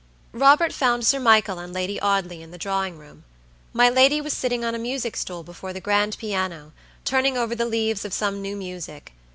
Robert found Sir Michael and Lady Audley in the drawing room. My lady was sitting on a music stool before the grand piano, turning over the leaves of some new music.